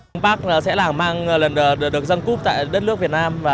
ông park sẽ làng mang được dân cúp tại đất nước việt nam